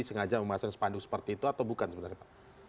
sengaja memasang spanduk seperti itu atau bukan sebenarnya pak